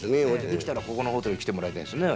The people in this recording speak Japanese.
できたらここのホテルに来てもらいたいですね。